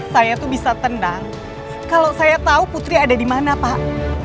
saya tuh bisa tenang kalau saya tahu putri ada di mana pak